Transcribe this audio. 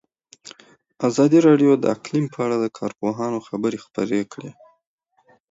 ازادي راډیو د اقلیم په اړه د کارپوهانو خبرې خپرې کړي.